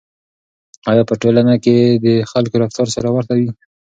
آیا په یوه ټولنه کې د خلکو رفتار سره ورته وي؟